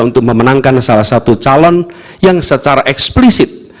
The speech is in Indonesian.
untuk memenangkan salah satu calon yang secara eksplisit